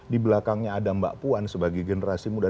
di belakangnya ada mbak puan sebagai generasi muda